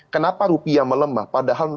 kenapa rupiah melemah padahal